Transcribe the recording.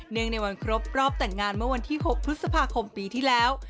ในวันครบรอบแต่งงานเมื่อวันที่๖พฤษภาคมปีที่แล้ว